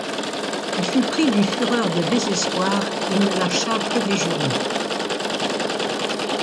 Il fut pris d’une fureur de désespoir, il ne lâcha que des jurons.